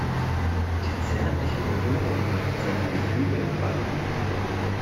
Die zärtlichen Berührungen brachten seine Gefühle in Wallung.